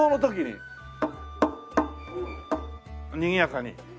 にぎやかに。